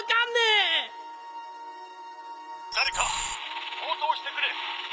誰か応答してくれ。